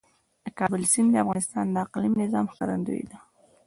د کابل سیند د افغانستان د اقلیمي نظام ښکارندوی ده.